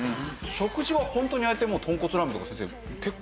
食事はホントにああやってとんこつラーメンとか先生結構。